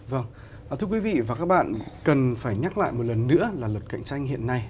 vâng thưa quý vị và các bạn cần phải nhắc lại một lần nữa là luật cạnh tranh hiện nay